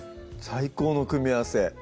最高の組み合わせ